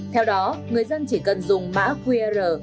theo đó người dân chỉ cần dùng mã qr